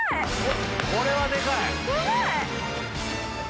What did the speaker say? これはでかい！